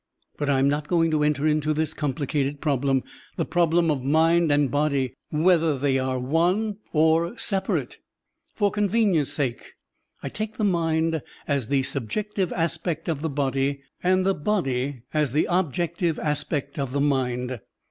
But I am not going to enter into this complicated problem, — the prob lem of mind and body, whether they are one or separate. For convenience* sake, I take the mind as the subjective aspect of the body and the body as the objective aspect of the mind.